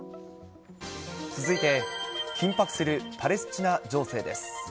続いて、緊迫するパレスチナ情勢です。